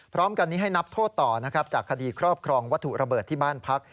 พร้อมกันนี้ให้นับโทษต่อนะครับจากคดีครอบครองวัตถุระเบิดที่บ้านพัก